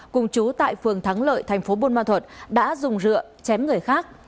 cùng chú tại phường thắng lợi tp bôn ma thuật đã dùng rượu chém người khác